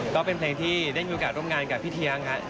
ก็เป็นเพลงที่ได้มีโอกาสร่วมงานกับพี่เทียงครับ